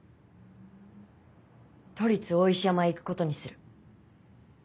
都立大石山へ行くことにする。